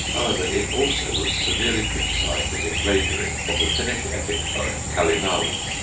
However, it also was severely criticized as a plagiary of the Finnish epic poem Kalevala.